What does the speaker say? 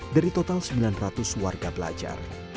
dari total sembilan ratus warga belajar